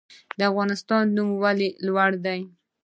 د افغانستان نوم ولې لوړ دی؟